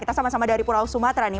kita sama sama dari pulau sumatera nih